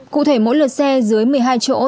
cụ thể mỗi lượt xe dưới một mươi hai chỗ